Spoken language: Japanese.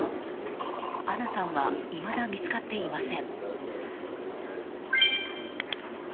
アナさんはいまだ見つかっていません。